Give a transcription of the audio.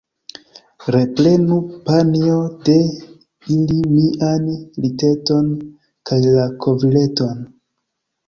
Reprenu, panjo, de ili mian liteton kaj la kovrileton.